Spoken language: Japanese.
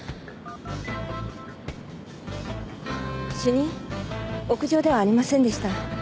主任屋上ではありませんでした。